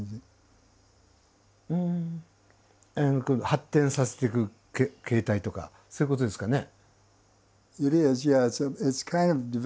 発展させていく形態とかそういうことですかね。